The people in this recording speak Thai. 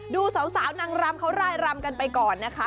ดูสาวนางรำเขารายรำกันไปก่อนนะคะ